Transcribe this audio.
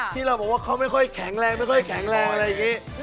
ที่เราบอกว่าเขาไม่ค่อยแข็งแรงไม่ค่อยแข็งแรงอะไรอย่างนี้